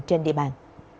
trên địa bàn